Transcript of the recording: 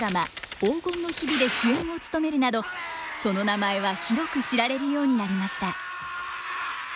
「黄金の日日」で主演を務めるなどその名前は広く知られるようになりました。